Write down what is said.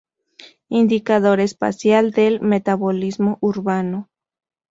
Indicador espacial del metabolismo urbano.